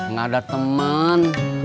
nggak ada teman